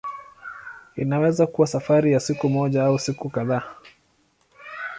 Inaweza kuwa safari ya siku moja au siku kadhaa.